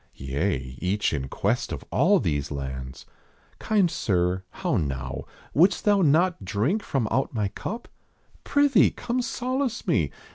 Yea, each in quest of all these lands. Kind sir. How now ; wouldst thou not drink from out my cup ? Prithee, come solace me!